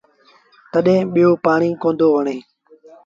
تڏهيݩ ٻيٚو پآڻيٚ ڪوندو وڻي۔